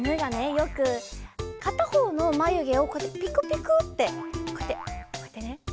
よくかたほうのまゆげをこうやってピクピクッてこうやってこうやってね。